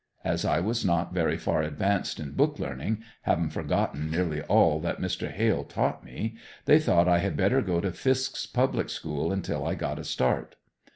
As I was not very far advanced in book learning, having forgotten nearly all that Mr. Hale taught me, they thought I had better go to Fisk's public school until I got a start.